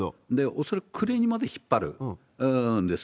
恐らく暮れにまで引っ張るんです。